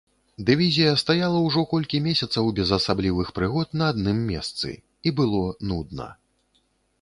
Дывізія стаяла ўжо колькі месяцаў, без асаблівых прыгод, на адным месцы, і было нудна.